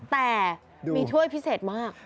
แต่มีถ้วยพิเศษมาก